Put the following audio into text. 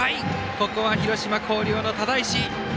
ここは広島の広陵の只石。